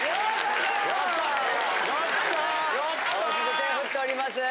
手振っております。